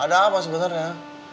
ada apa sebenarnya